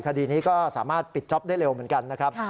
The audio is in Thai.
คดีนี้ก็สามารถปิดจ๊อปได้เร็วเหมือนกันนะครับ